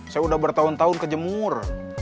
saya udah bertahun tahun kejemur